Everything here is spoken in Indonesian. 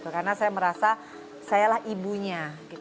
karena saya merasa saya lah ibunya